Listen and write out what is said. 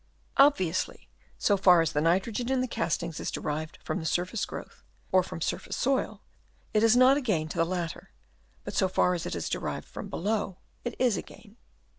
Obviously, so far as the nitrogen " in the castings is derived from surface " growth or from surface soil, it is not a gain "to the latter; but so far as it is derived from " below, it is a gain."